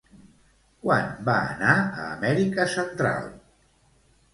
Quan va anar a Amèrica central?